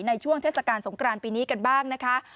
ในช่วงเทศกาลสงครานปีนี้กันบ้างนะคะ